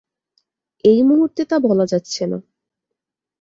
এই মুহূর্তে তা বলা যাচ্ছে না।